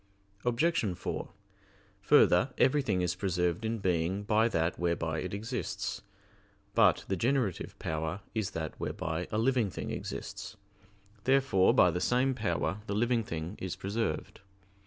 Obj. 4: Further, everything is preserved in being by that whereby it exists. But the generative power is that whereby a living thing exists. Therefore by the same power the living thing is preserved.